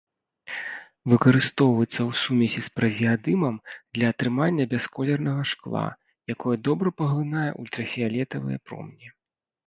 Выкарыстоўваецца ў сумесі з празеадымам для атрымання бясколернага шкла, якое добра паглынае ультрафіялетавыя промні.